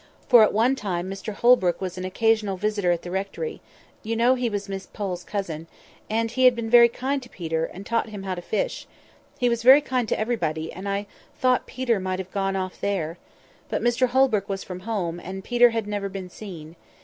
For at one time Mr Holbrook was an occasional visitor at the rectory—you know he was Miss Pole's cousin—and he had been very kind to Peter, and taught him how to fish—he was very kind to everybody, and I thought Peter might have gone off there. But Mr Holbrook was from home, and Peter had never been seen.